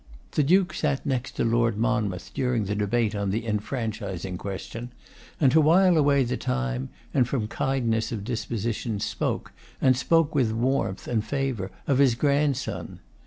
The Duke sat next to Lord Monmouth during the debate on the enfranchising question, and to while away the time, and from kindness of disposition, spoke, and spoke with warmth and favour, of his grandson.